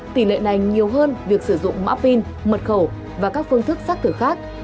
tỷ lệ này nhiều hơn việc sử dụng mã pin mật khẩu và các phương thức xác thực